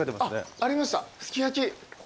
ありましたすきやき。